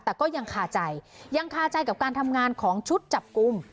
แต่ก็ยังคาใจยังคาใจกับการทำงานของชุดจับกลุ่ม